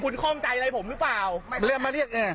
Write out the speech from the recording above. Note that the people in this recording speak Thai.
คุณคลอมใจอะไรผมหรือเปล่า